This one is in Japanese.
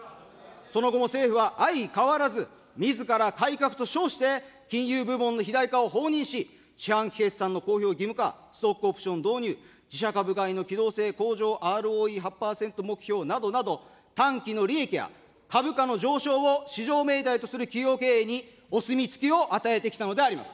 その後も政府は相変わらず、みずから改革と称して、金融部門の肥大化を放任し、四半期決算の公表義務化、ストックオプション導入、自社株買いの機能性向上、ＲＯＥ８％目標など、利益や株価の上昇を至上命題とする企業経営にお墨付きを与えてきたのであります。